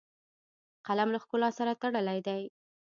قلم له ښکلا سره تړلی دی